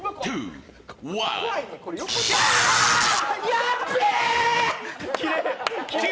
やっべー！